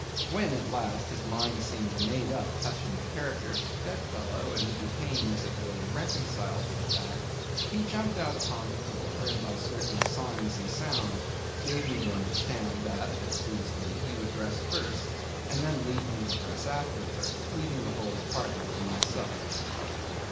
When, at last, his mind seemed made up touching the character of his bedfellow, and he became, as it were, reconciled to the fact; he jumped out upon the floor, and by certain signs and sounds gave me to understand that, if it pleased me, he would dress first and then leave me to dress afterwards, leaving the whole apartment to myself.